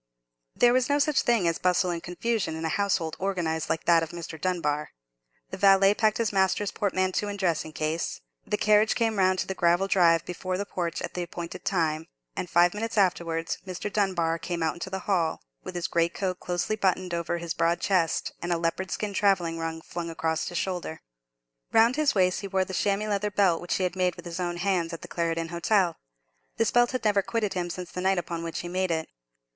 There was no such thing as bustle and confusion in a household organized like that of Mr. Dunbar. The valet packed his master's portmanteau and dressing case; the carriage came round to the gravel drive before the porch at the appointed moment; and five minutes afterwards Mr. Dunbar came out into the hall, with his greatcoat closely buttoned over his broad chest, and a leopard skin travelling rug flung across his shoulder. Round his waist he wore the chamois leather belt which he had made with his own hands at the Clarendon Hotel. This belt had never quitted him since the night upon which he made it.